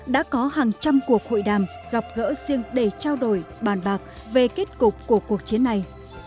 đã có hàng trăm cuộc hội đàm gặp gỡ riêng để trao đổi bàn bạc về kết cục của cuộc chiến này